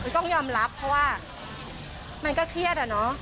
ต้องยอมรับเพราะว่ามันก็เครียดอะเนาะ